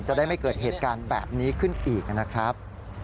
จะได้ไม่เกิดเหตุการณ์แบบนี้ขึ้นอีกนะครับ